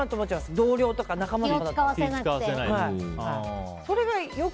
同僚とか仲間に。